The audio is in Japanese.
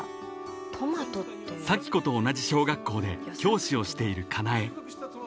［早季子と同じ小学校で教師をしている香苗］